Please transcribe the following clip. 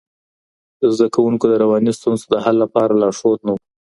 د زده کوونکو د رواني ستونزو د حل لپاره لارښود نه و.